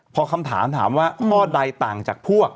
พอคำถามถามว่าข้อใดต่างจากพวก